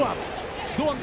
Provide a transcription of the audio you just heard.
堂安。